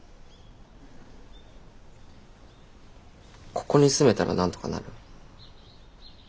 ここに住めたらなんとかなる？